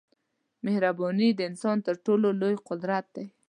مهرباني د انسان تر ټولو لوی قوت دی.